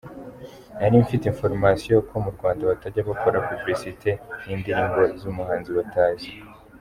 Nari mfite information ko mu Rwanda batajya bakora publicites y’indirimbo z’umuhanzi batazi.